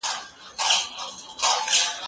ته ولي مکتب خلاصیږې،